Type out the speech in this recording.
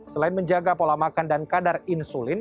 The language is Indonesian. selain menjaga pola makan dan kadar insulin